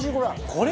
これ。